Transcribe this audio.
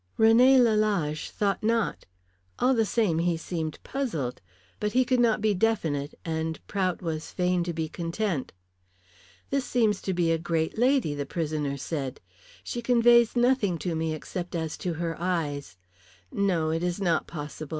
René Lalage thought not. All the same, he seemed puzzled. But he could not be definite, and Prout was fain to be content. "This seems to be a great lady," the prisoner said. "She conveys nothing to me except as to her eyes. No, it is not possible.